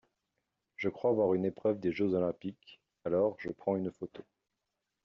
Je crois voir une épreuve des jeux olympiques, alors je prends une photo.